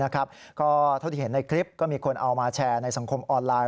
ก็เท่าที่เห็นในคลิปก็มีคนเอามาแชร์ในสังคมออนไลน